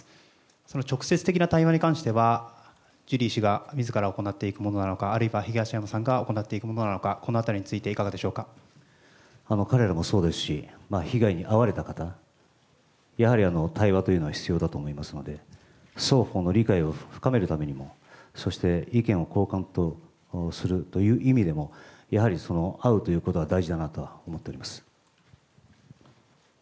その直接的な対話に関してはジュリー氏がみずから行っていくものなのか、あるいは東山さんが行っていくものなのか、このあたりに彼らもそうですし、被害に遭われた方、やはり対話というのは必要だと思いますので、双方の理解を深めるためにも、そして意見を交換するという意味でも、やはり会うということは大事だなと思っております。